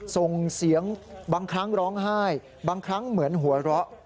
ส่งเสียงบางครั้งร้องไห้บางครั้งเหมือนหัวเราะ